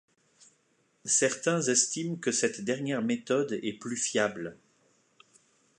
Certains estiment que cette dernière méthode est plus fiable.